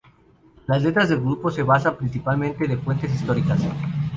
Las letras del grupo se basan, principalmente, de fuentes históricas.